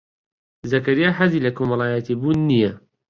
زەکەریا حەزی لە کۆمەڵایەتیبوون نییە.